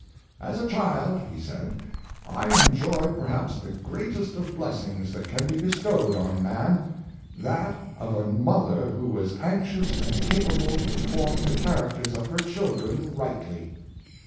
" As a child," he said, " I enjoyed perhaps the greatest of blessings that can be bestowed on man — that of a mother who was anxious and capa ble to form the characters of her children rightly.